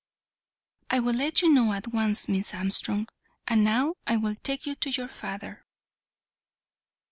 "I will let you know at once, Miss Armstrong; and now I will take you to your father."